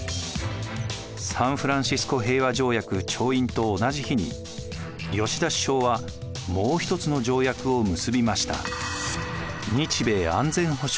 サンフランシスコ平和条約調印と同じ日に吉田首相はもう一つの条約を結びました。